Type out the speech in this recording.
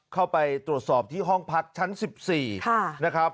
เข้าไปตรวจสอบที่ห้องพักชั้น๑๔นะครับ